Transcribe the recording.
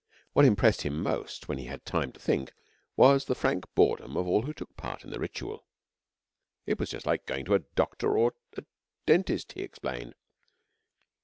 What impressed him most, when he had time to think, was the frank boredom of all who took part in the ritual. 'It was just like going to a doctor or a dentist,' he explained.